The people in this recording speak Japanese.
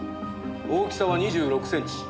大きさは２６センチ。